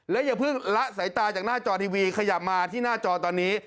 อย่าเพิ่งละสายตาจากหน้าจอทีวีขยับมาที่หน้าจอตอนนี้